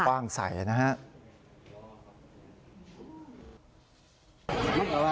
ว่างใส่นะครับ